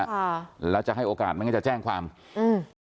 ค่ะแล้วจะให้โอกาสไม่งั้นจะแจ้งความอืม